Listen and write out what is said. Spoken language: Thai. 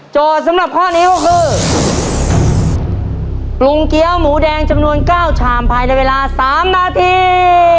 สำหรับข้อนี้ก็คือปรุงเกี้ยวหมูแดงจำนวนเก้าชามภายในเวลาสามนาที